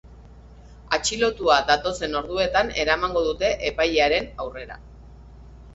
Atxilotua datozen orduetan eramango dute epailearen aurrera.